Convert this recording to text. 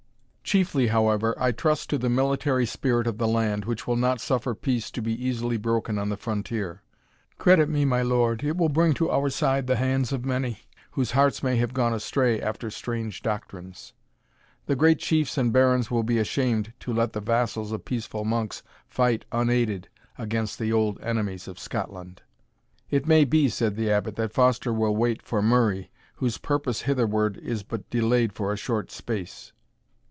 Chiefly, however, I trust to the military spirit of the land, which will not suffer peace to be easily broken on the frontier. Credit me, my lord, it will bring to our side the hands of many, whose hearts may have gone astray after strange doctrines. The great chiefs and barons will be ashamed to let the vassals of peaceful monks fight unaided against the old enemies of Scotland." "It may be," said the Abbot, "that Foster will wait for Murray, whose purpose hitherward is but delayed for a short space."